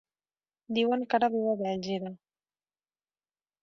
Diuen que ara viu a Bèlgida.